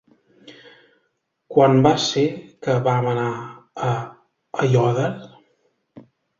Quan va ser que vam anar a Aiòder?